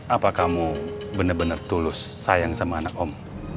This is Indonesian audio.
apa kamu bener bener tulus sayang sama anak om